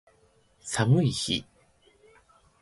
寒い日